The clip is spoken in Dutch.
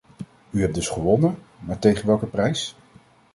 U hebt dus gewonnen, maar tegen welke prijs!